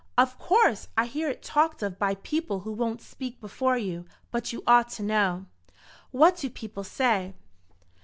Of course I hear it talked of by people who won't speak before you; but you ought to know." "What do people say?"